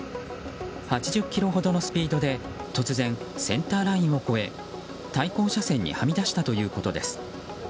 ８０キロほどのスピードで突然、センターラインを越え対向車線にはみ出したということです。